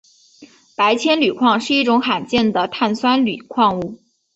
白铅铝矿是一种罕见的碳酸铝矿物。